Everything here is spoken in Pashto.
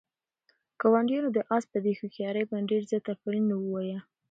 ګاونډیانو د آس په دې هوښیارۍ باندې ډېر زیات آفرین ووایه.